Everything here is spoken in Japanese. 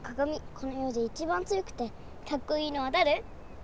このよでいちばん強くてかっこいいのはだれ？